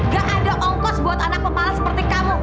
gak ada ongkos buat anak kepala seperti kamu